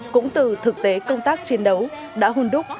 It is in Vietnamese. cũng từ thực tế công tác chiến đấu đã hôn đúc